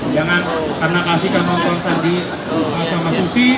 jangan karena kasihkan nonton sandi sama susi